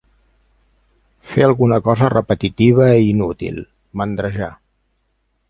Fer alguna cosa repetitiva i inútil, mandrejar.